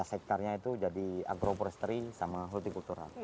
lima belas hektarnya itu jadi agroforestry sama horticultural